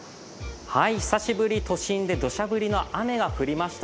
久しぶり、都心でどしゃ降りの雨が降りました。